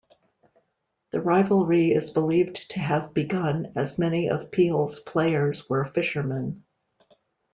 The rivalry is believed to have begun as many of Peel's players were fishermen.